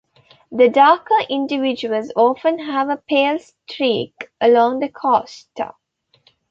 The darker individuals often have a pale streak along the costa.